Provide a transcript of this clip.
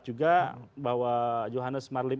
juga bahwa johannes marlin